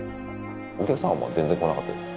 お客さんは全然来なかったです。